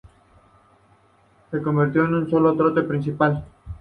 Se conservó sólo la torre principal.